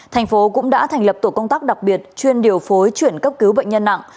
thành phố cũng đã thành lập tổ công tác đặc biệt chuyên điều phối chuyển cấp cứu bệnh nhân nặng